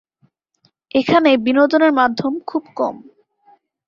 এখানে বিনোদনের মাধ্যম খুব কম।